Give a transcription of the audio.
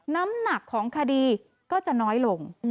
น้ำหนักของคดีก็จะน้อยลง